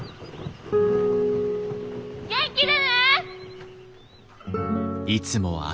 元気でね！